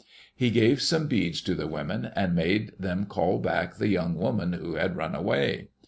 *' He gave some beads to the women, and made them call back the young woman who had run away.